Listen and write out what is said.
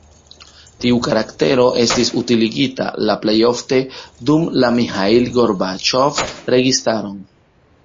Tiu karaktero estis utiligita la plejofte dum la Miĥail Gorbaĉov registaron.